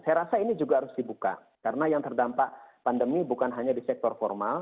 saya rasa ini juga harus dibuka karena yang terdampak pandemi bukan hanya di sektor formal